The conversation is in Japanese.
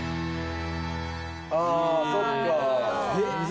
ああそっか。